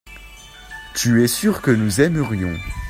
tu es sûr que nous aimerions.